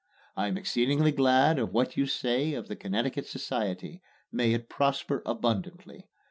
I am exceedingly glad of what you say of the Connecticut Society. May it prosper abundantly!